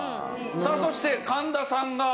さあそして神田さんが。